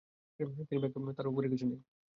তিনি ব্যক্ত, তাই তার উপরে কিছু নেই।